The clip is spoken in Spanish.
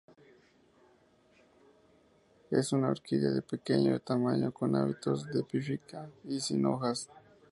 Es una orquídea de pequeño de tamaño, con hábitos de epífita y sin hojas.